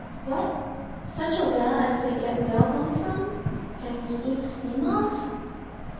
What? such a whale as they get whalebone from, and which eats sea moths?